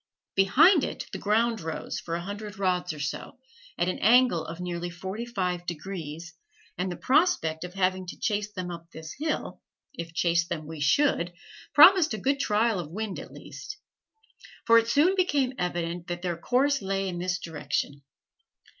Behind it the ground rose, for a hundred rods or so, at an angle of nearly forty five degrees, and the prospect of having to chase them up this hill, if chase them we should, promised a good trial of wind at least; for it soon became evident that their course lay in this direction.